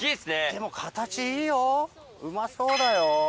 でも形いいよ、うまそうだよ。